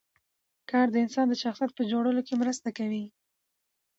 کار د انسان د شخصیت په جوړولو کې مرسته کوي